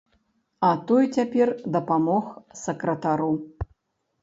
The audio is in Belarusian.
А той цяпер дапамог сакратару.